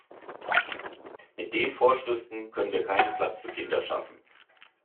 Mit den Vorschriften können wir keinen Platz für Kinder schaffen.